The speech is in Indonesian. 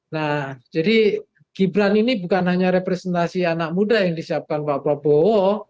nah jadi gibran ini bukan hanya representasi anak muda yang disiapkan pak prabowo